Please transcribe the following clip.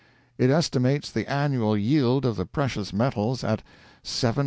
It estimates the annual yield of the precious metals at $730,000,000!